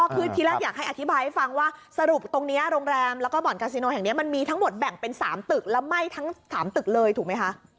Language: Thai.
คือที่แรกอยากให้อธิบายให้ฟังว่าสรุปตรงนี้โรงแรมแล้วก็บ่อนกาซิโนแห่งนี้มันมีทั้งหมดแบ่งเป็น๓ตึกแล้วไหม้ทั้ง๓ตึกเลยถูกไหมคะ